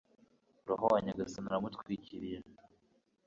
roho wa nyagasani aramutwikiriye